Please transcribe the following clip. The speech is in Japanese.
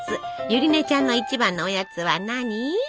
ゆりねちゃんの一番のおやつは何？